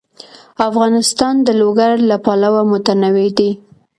افغانستان د لوگر له پلوه متنوع دی.